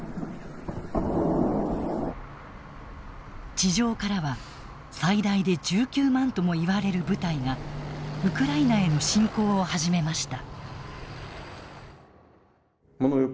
地上からは最大で１９万ともいわれる部隊がウクライナへの侵攻を始めました。